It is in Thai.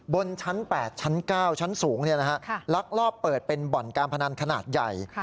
บนชั้น๘ชั้น๙ชั้นสูงลักลอบเปิดเป็นบ่อนการพนันขนาดใหญ่